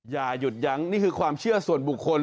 อย่าหยุดยั้งนี่คือความเชื่อส่วนบุคคล